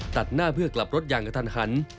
ตัดหน้าเพื่อกลับรถอย่างกระทันหัน